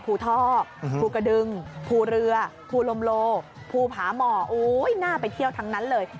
ภูทอกภูกระดึงภูเรือภูลมโลภูผาหมอโอ๊ยน่าไปเที่ยวทั้งนั้นเลย